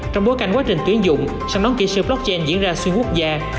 trong bối cảnh quá trình tuyển dụng sản đón kỹ sư blockchain diễn ra xuyên quốc gia